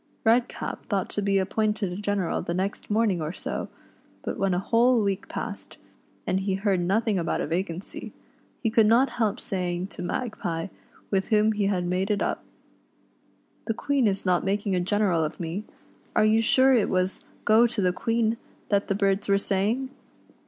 Redcap thought to be appointed a general the next morning or so, but when a whole week passed, and he heard nothing about a vacancy, he could not help say ing to Magpie, with whom he had made it up: "The Queen is not making a general of me, are you sure .t was 'Go to the Queen' that the birds were saying.?"